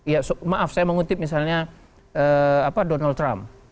ya maaf saya mengutip misalnya donald trump